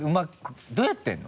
どうやってるの？